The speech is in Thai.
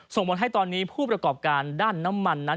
ส่งผลให้ตอนนี้ผู้ประกอบการด้านน้ำมันนั้น